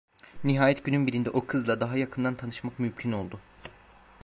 Nihayet günün birinde o kızla daha yakından tanışmak mümkün oldu.